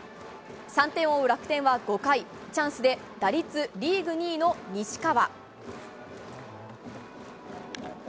３点を追う楽天は５回、チャンスで打率リーグ２位の西川。